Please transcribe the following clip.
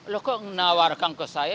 lo kok menawarkan ke saya